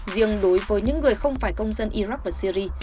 riêng đối với những người không phải công dân iraq và syri